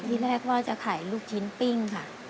ที่แรกพ่อจะขายลูกชิ้นปิ้งค่ะ